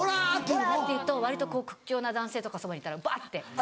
「ボラ！」って言うと割と屈強な男性とかそばにいたらバッて。